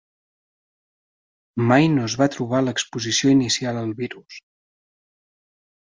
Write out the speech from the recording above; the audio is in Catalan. Mai no es va trobar l'exposició inicial al virus.